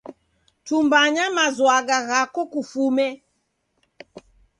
Tumbanya mazwagha ghako kufume.